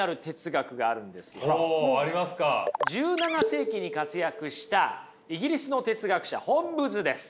１７世紀に活躍したイギリスの哲学者ホッブズです。